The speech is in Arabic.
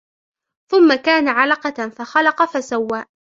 ثم كان علقة فخلق فسوى